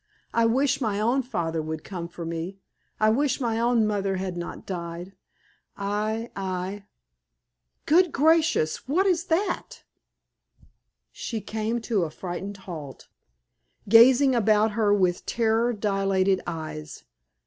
I wish my own father would come for me. I wish my own mother had not died. I I Good gracious! what is that?" She came to a frightened halt, gazing about her with terror dilated eyes.